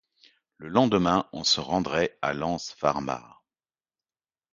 Le lendemain, on se rendrait à l’anse Farmar.